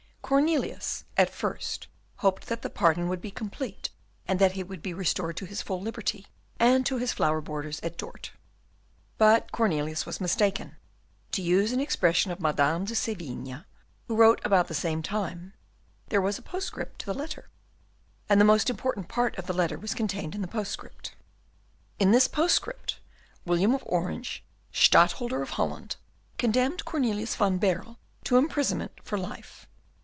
Cornelius at first hoped that the pardon would be complete, and that he would be restored to his full liberty and to his flower borders at Dort. But Cornelius was mistaken. To use an expression of Madame de Sévigné, who wrote about the same time, "there was a postscript to the letter;" and the most important part of the letter was contained in the postscript. In this postscript, William of Orange, Stadtholder of Holland, condemned Cornelius van Baerle to imprisonment for life.